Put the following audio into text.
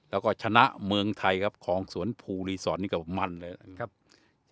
แล้วก็ชนะเมืองไทยครับของสวนภูรีสอร์ทนี่ก็มันเลยนะครับ